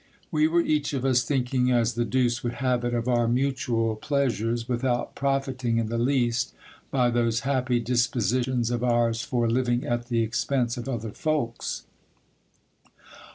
We were each of us thinking, as the deuce would have it, of our mutual plea sures, without profiting in the least by those happy dispositions of ours for living at the expense of other folks.